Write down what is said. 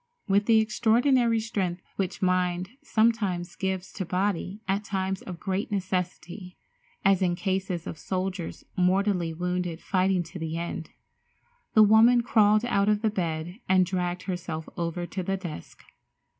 With the extraordinary strength which mind sometimes gives to body at times of great necessity, as in cases of soldiers mortally wounded fighting to the end, the woman crawled out of the bed and dragged herself over to the desk.